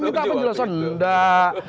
minta penjelasan nggak